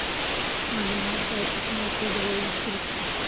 معلومات باید په سمه توګه وویشل سي.